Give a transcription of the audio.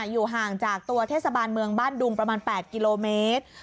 อยู่ห่างจากตัวเทศบาลเมืองบ้านดุงประมาณ๘กิโลเมตร